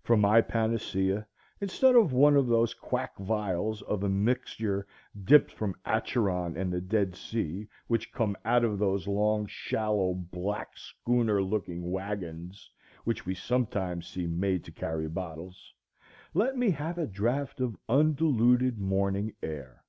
For my panacea, instead of one of those quack vials of a mixture dipped from Acheron and the Dead Sea, which come out of those long shallow black schooner looking wagons which we sometimes see made to carry bottles, let me have a draught of undiluted morning air.